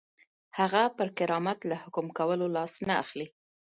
هغه پر کرامت له حکم کولو لاس نه اخلي.